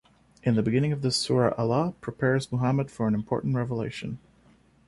In the beginning of this Sura, Allah prepares Muhammad for an important revelation.